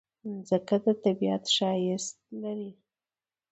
مځکه د طبیعت ښایست لري.